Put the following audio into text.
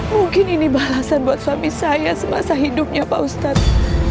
mungkin ini balasan buat suami saya semasa hidupnya pak ustadz